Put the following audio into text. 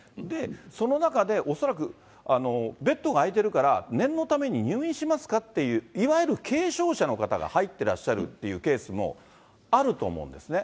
その中で、恐らく、ベッドが空いてるから念のために入院しますかっていう、いわゆる軽症者の方が入ってらっしゃるっていうケースもあると思うんですね。